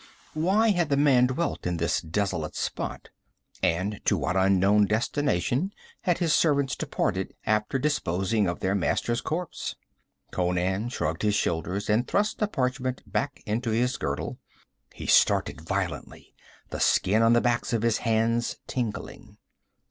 Why had the man dwelt in this desolate spot, and to what unknown destination had his servants departed after disposing of their master's corpse? Conan shrugged his shoulders and thrust the parchment back into his girdle he started violently, the skin on the backs of his hands tingling.